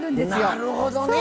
なるほどね！